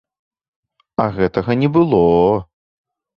А гэтага не было.